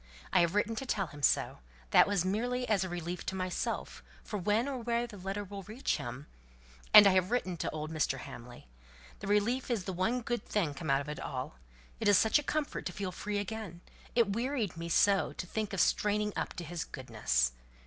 I have written to tell him so. That was merely as a relief to myself, for when or where the letter will reach him And I have written to old Mr. Hamley. The relief is the one good thing come out of it all. It is such a comfort to feel free again. It wearied me so to think of straining up to his goodness.